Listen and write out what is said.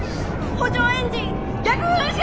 補助エンジン逆噴射！